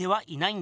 ん？